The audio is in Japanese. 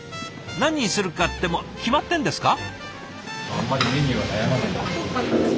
何にするかってもう決まってるんですか？